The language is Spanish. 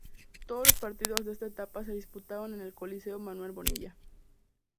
Todos los partidos de esta etapa se disputaron en el Coliseo Manuel Bonilla.